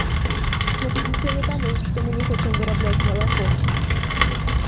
Гэта ж усё не таму, што мы не хочам вырабляць малако!